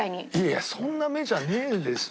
いやそんな目じゃねえですよ。